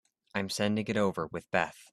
I'm sending it over with Beth.